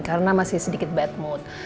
karena masih sedikit bad mood